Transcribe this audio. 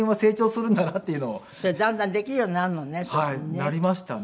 なりましたね。